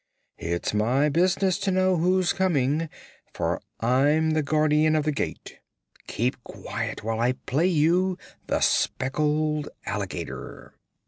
"It's my business to know who's coming, for I'm the Guardian of the Gate. Keep quiet while I play you 'The Speckled Alligator.'"